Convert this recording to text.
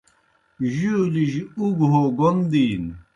جُولِجیْ اُگوْ ہو گوْن دِینوْ۔